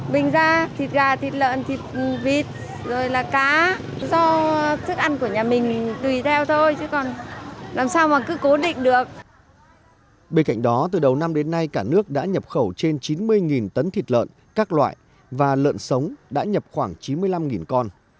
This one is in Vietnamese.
bên cạnh đó từ đầu năm đến nay cả nước đã nhập khẩu trên chín mươi tấn thịt lợn các loại và lợn sống đã nhập khoảng chín mươi năm con